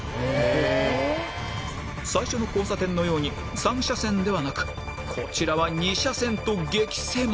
最初の交差点のように３車線ではなくこちらは２車線と激狭！